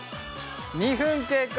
２分経過。